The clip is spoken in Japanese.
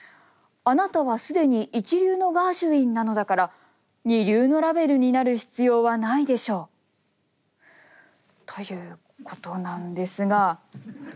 「あなたは既に一流のガーシュウィンなのだから二流のラヴェルになる必要はないでしょう」。ということなんですが。